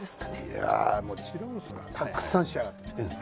いやあもちろんそれはたくさん仕上がってます。